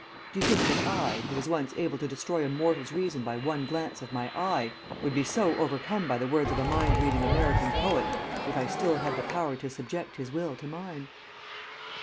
Do you think that I, who was once able to destroy a mortal's reason by one glance of my eye, would be so overcome by the words of a mind reading American poet if I still had the power to subject his will to mine?"